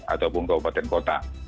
ataupun kabupaten kota